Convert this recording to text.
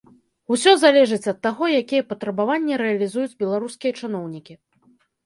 Усё залежыць ад таго, якія патрабаванні рэалізуюць беларускія чыноўнікі.